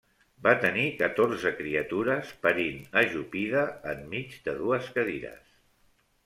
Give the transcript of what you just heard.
Va tenir catorze criatures, parint ajupida enmig de dues cadires.